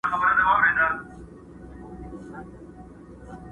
• د سړي د کور په خوا کي یو لوی غار وو.